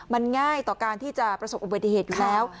มันง่ายต่อการที่จะประสบอุบัติเหตุอยู่แล้ว